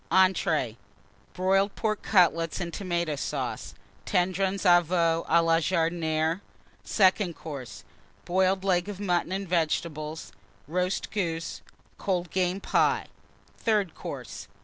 ENTREES. Broiled Pork Cutlets and Tomata Sauce. Tendrons de Veau à la Jardinière. SECOND COURSE. Boiled Leg of Mutton and Vegetables. Roast Goose. Cold Game Pie. THIRD COURSE.